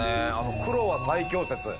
黒は最強説。